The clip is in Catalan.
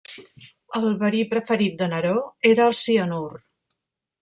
El verí preferit de Neró era el cianur.